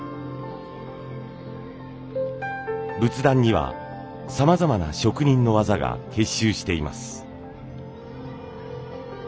仏壇にはさまざまな職人の技が結集しています。